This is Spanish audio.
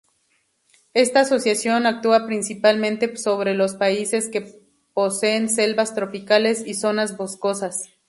Esta asociación actúa principalmente sobre los países que poseen selvas tropicales y zonas boscosas.